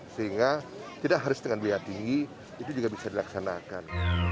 sehingga tidak harus dengan biaya tinggi itu juga bisa dilaksanakan